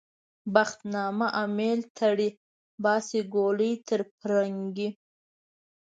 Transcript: بخت نامه امېل تړي - باسي ګولۍ تر پرنګي